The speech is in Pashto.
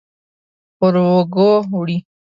پر اوږو وړي